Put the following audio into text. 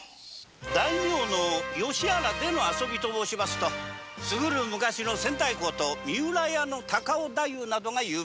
大名の吉原での遊びと申しますと過ぐる昔の仙台侯と三浦屋の高尾太夫などが有名でございます。